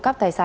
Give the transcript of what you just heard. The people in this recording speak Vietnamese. kể cả là